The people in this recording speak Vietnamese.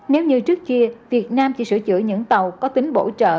nếu như trước kia việt nam chỉ sửa chữa những tàu có tính bổ trợ